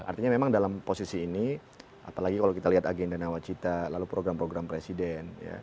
artinya memang dalam posisi ini apalagi kalau kita lihat agenda nawacita lalu program program presiden